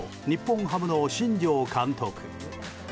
日本ハムの新庄監督。